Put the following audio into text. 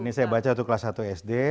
ini saya baca untuk kelas satu sd